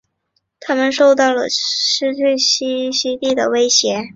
它们受到失去栖息地的威胁。